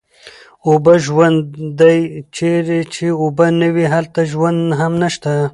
اوبه ژوند دی، چېرې چې اوبه نه وي هلته ژوند هم نشته